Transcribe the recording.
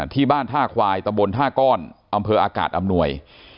ที่บ้านท่าควายตะบนท่าก้อนอำเภออากาศอำนวย